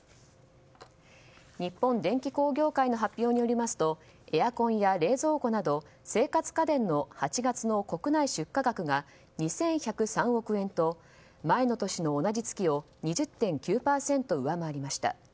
日本電気工業会の発表によりますとエアコンや冷蔵庫など生活家電の８月の国内出荷額が２１０３億円と前の年の同じ月を２０．９％上回りました。